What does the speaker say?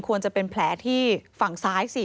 ควรจะเป็นแผลที่ฝั่งซ้ายสิ